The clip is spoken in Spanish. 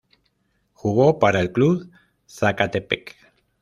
Jugó para el Club Zacatepec.